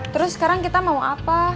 terus sekarang kita mau apa